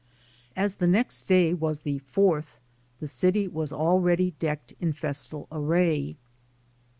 As the next day was the "Fourth," the city was already decked in festal array.